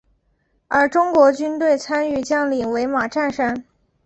而中国军队参与将领为马占山。